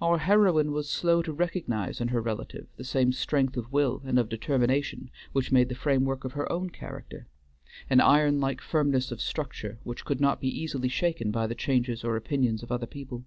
Our heroine was slow to recognize in her relative the same strength of will and of determination which made the framework of her own character, an iron like firmness of structure which could not be easily shaken by the changes or opinions of other people.